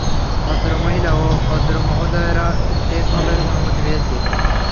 ভদ্রমহিলা ও ভদ্রমহোদয়েরা, টেকঅফের অনুমতি পেয়েছি।